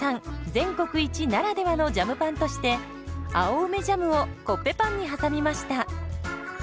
全国一ならではのジャムパンとして青梅ジャムをコッペパンに挟みました。